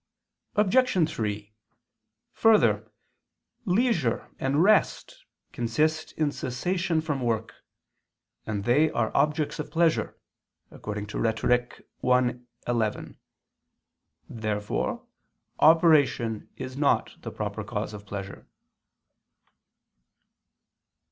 Obj. 3: Further, leisure and rest consist in cessation from work: and they are objects of pleasure (Rhet. i, 11). Therefore operation is not the proper cause of pleasure.